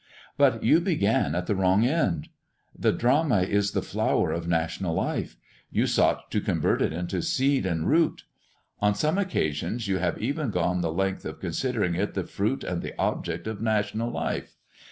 But you began at the wrong end. The drama is the flower of national life; you sought to convert it into its seed and root. On some occasions you have even gone the length of considering it the fruit and the object of national life.